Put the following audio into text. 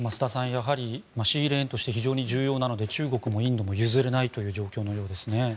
やはり、シーレーンとして非常に重要なので中国もインドも譲れないという状況のようですね。